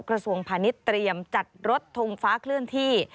กระทรวงพาณิชย์เตรียมจัดรถทงฟ้าเคลื่อนที่